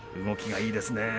動きがいいですね。